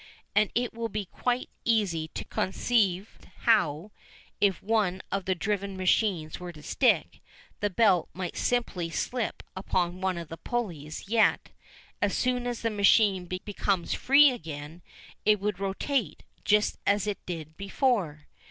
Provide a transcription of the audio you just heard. And it will be quite easy to conceive how, if one of the driven machines were to stick, the belt might simply slip upon one of the pulleys, yet, as soon as the machine became free again, it would rotate just as it did before.